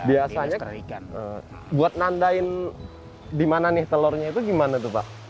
biasanya buat nandain di mana nih telurnya itu gimana tuh pak